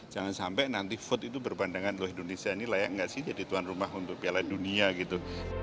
jangan sampai nanti vote itu berpandangan loh indonesia ini layak nggak sih jadi tuan rumah untuk piala dunia gitu